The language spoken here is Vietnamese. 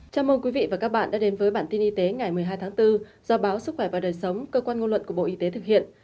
chào mừng quý vị và các bạn đã đến với bản tin y tế ngày một mươi hai tháng bốn do báo sức khỏe và đời sống cơ quan ngôn luận của bộ y tế thực hiện